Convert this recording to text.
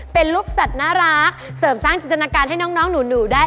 เป็นรูปสัตว์น่ารักเสริมสร้างจินตนาการให้น้องหนูได้